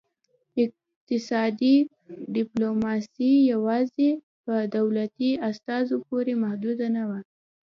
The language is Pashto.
اقتصادي ډیپلوماسي یوازې په دولتي استازو پورې محدوده نه ده